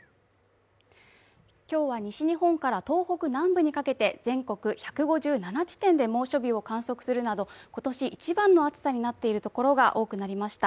今日は西日本から東北南部にかけて全国１５７地点で猛暑日観測するなど今年一番の暑さになっているところが多くなりました。